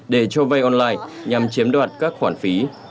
để cho vay online nhằm chiếm đoạt các khoản phí